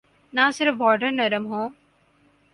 نہ صرف بارڈر نرم ہوں۔